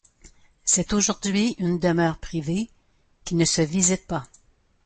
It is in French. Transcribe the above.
C'est aujourd'hui une demeure privée, qui ne se visite pas.